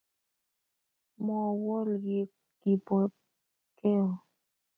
Mowol kiy Kipokeo